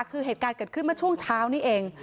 คือเหตุการณ์เกิดขึ้นเมื่อช่วงเช้านี้เอง